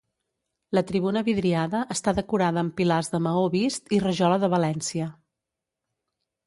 La tribuna vidriada està decorada amb pilars de maó vist i rajola de València.